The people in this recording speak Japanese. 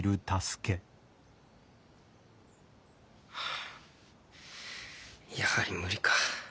はあやはり無理か。